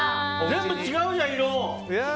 全部違うじゃん、色。